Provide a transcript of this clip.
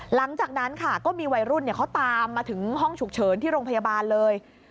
หลังจากนั้นค่ะก็มีวัยรุ่นเขาตามมาถึงห้องฉุกเฉินที่โรงพยาบาลเลย